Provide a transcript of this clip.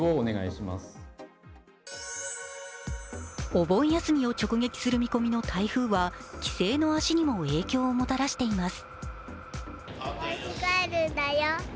お盆休みを直撃する見込みの台風は帰省の足にも影響をもたらしています。